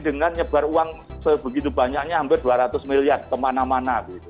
dengan nyebar uang sebegitu banyaknya hampir dua ratus miliar kemana mana